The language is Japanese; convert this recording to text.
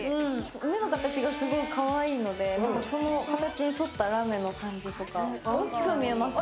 目の形がすごいかわいいので、その形に沿ったラメの感じとか、大きく見えますね